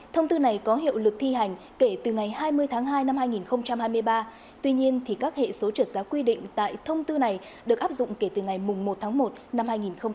thông tư này có hiệu lực thi hành kể từ ngày hai mươi tháng hai năm hai nghìn hai mươi ba tuy nhiên các hệ số trượt giá quy định tại thông tư này được áp dụng kể từ ngày một tháng một năm hai nghìn hai mươi